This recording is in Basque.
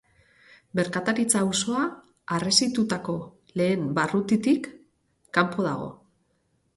Merkataritza auzoa harresitutako lehen barrutitik kanpo dago.